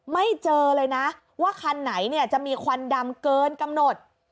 ไม่เจอเลยนะว่าคันไหนเนี่ยจะมีควันดำเกินกำหนด